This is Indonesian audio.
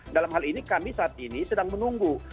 dalam hal ini kami saat ini sedang menunggu